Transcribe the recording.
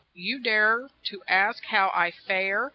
You dare to ask how I fare